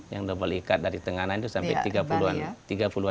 yang double ikat dari tengah tengah itu sampai tiga puluh an juta